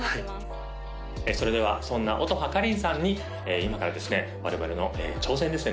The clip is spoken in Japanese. それではそんな音羽花鈴さんに今からですね我々の挑戦ですね